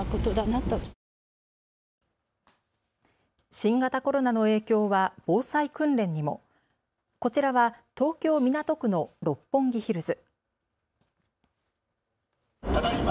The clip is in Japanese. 新型コロナの影響は防災訓練にも、こちらは東京港区の六本木ヒルズ。